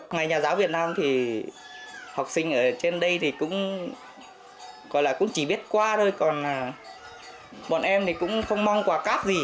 ngày nhà giáo việt nam thì học sinh ở trên đây thì cũng chỉ biết qua thôi còn bọn em thì cũng không mong quả cáp gì